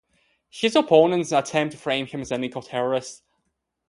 His opponents attempt to frame him as an ecoterrorist.